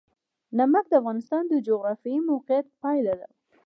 نمک د افغانستان د جغرافیایي موقیعت پایله ده.